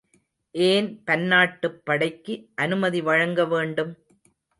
ஏன் பன்னாட்டுப் படைக்கு அனுமதி வழங்கவேண்டும்?